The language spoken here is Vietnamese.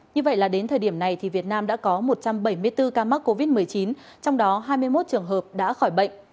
như vậy là đến thời điểm này thì việt nam đã có một trăm bảy mươi bốn ca mắc covid một mươi chín trong đó hai mươi một trường hợp đã khỏi bệnh